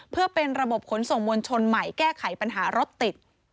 เพื่อเป็นระบบขนส่งมวลชนใหม่แก้ไขปัญหารถติด